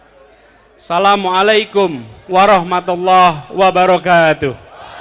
assalamualaikum warahmatullahi wabarakatuh